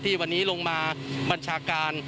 วันนี้ลงมาบัญชาการ